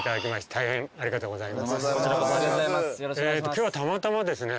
今日はたまたまですね